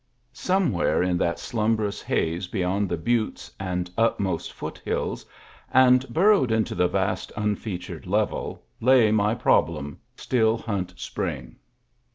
Some where in that slumberous haze beyond the buttes and utmost foothills, and burrowed into the vast unfeatured level, lay my problem, Still Hunt Spring.